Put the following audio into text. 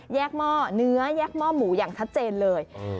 หม้อเนื้อแยกหม้อหมูอย่างชัดเจนเลย